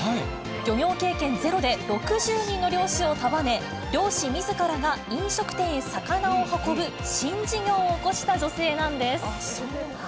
漁業経験ゼロで、６０人の漁師を束ね、漁師みずからが飲食店へ魚を運ぶ新事業をおこした女性なんです。